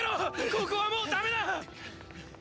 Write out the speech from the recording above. ここはもうだめだ！！